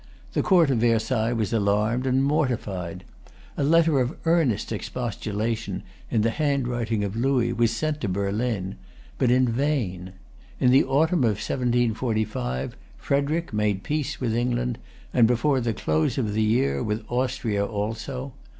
The Court of Versailles was alarmed and mortified. A letter of earnest expostulation, in the handwriting of Louis, was sent to Berlin; but in vain. In the autumn of 1745, Frederic made peace with England, and, before the close of the year, with Austria also.